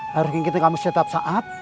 harus mengikuti kamu setiap saat